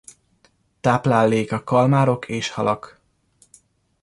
Tápláléka kalmárok és halak.